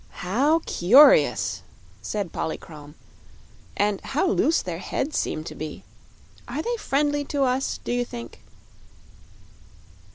"How curious," said Polychrome; "and how loose their heads seem to be! Are they friendly to us, do you think?"